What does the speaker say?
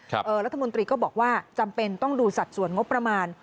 รัฐมนตรีก็บอกว่าจำเป็นต้องดูสัดส่วนงบประมาณ